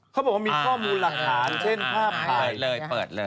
เขาบอกว่ามีข้อมูลหลักฐานเช่นภาพภาพ